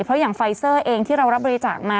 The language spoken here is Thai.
เพราะอย่างไฟเซอร์เองที่เรารับบริจาคมา